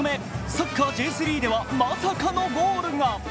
サッカーＪ３ではまさかのゴールが。